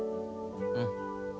うん。